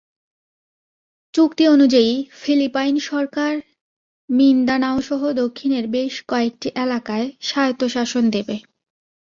চুক্তি অনুযায়ী, ফিলিপাইন সরকার মিন্দানাওসহ দক্ষিণের বেশ কয়েকটি এলাকায় স্বায়ত্তশাসন দেবে।